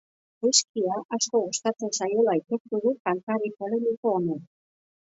Whiskya asko gustatzen zaiola aitortu du kantari polemiko honek.